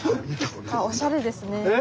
おしゃれですね。